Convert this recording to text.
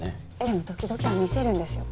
でも時々は見せるんですよ。